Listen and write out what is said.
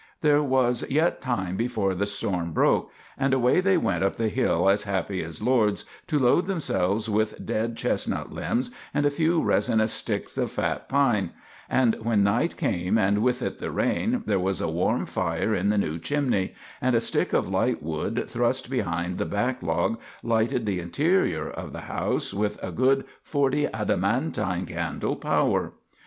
There was yet time before the storm broke, and away they went up the hill as happy as lords, to load themselves with dead chestnut limbs and a few resinous sticks of fat pine; and when night came, and with it the rain, there was a warm fire in the new chimney, and a stick of lightwood thrust behind the backlog lighted the interior of the house with a good forty adamantine candle power.